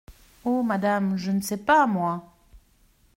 Oh ! madame, je ne sais pas, moi.